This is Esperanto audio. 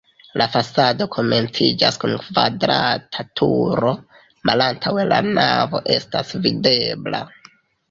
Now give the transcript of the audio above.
La fasado komenciĝas kun kvadrata turo, malantaŭe la navo estas videbla.